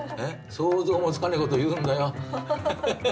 想像もつかない事言うんだよ。